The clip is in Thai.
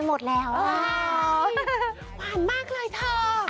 หวานมากเลยเถอะ